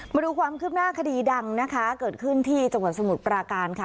มาดูความคืบหน้าคดีดังนะคะเกิดขึ้นที่จังหวัดสมุทรปราการค่ะ